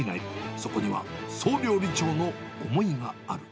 そこには総料理長の思いがある。